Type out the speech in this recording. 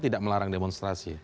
tidak melarang demontrasi